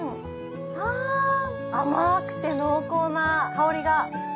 はぁ甘くて濃厚な香りが。